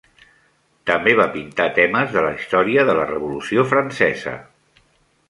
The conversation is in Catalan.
També va pintar temes de la història de la Revolució Francesa.